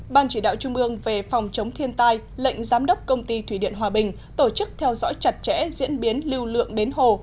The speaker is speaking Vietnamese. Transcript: ban chỉ đạo trung ương về phòng chống thiên tai lệnh giám đốc công ty thủy điện hòa bình tổ chức theo dõi chặt chẽ diễn biến lưu lượng đến hồ